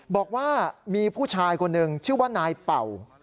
บอกว่ามีผู้ชายคนหนึ่งชื่อว่านายเป่า